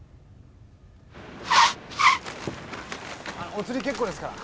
お釣り結構ですから。